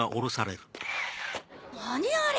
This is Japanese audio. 何あれ！